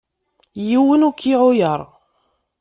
Yiwen ur k-iɛuyer.